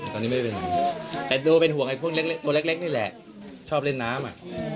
แต่ดูว่าเกิ้ลเล็กนี่แหละชอบเล่นน้ำ